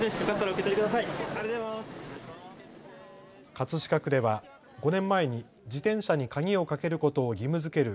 葛飾区では５年前に自転車に鍵をかけることを義務づける